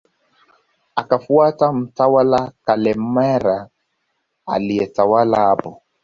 Akafuata mtawala Kalemera aliyetawala hapo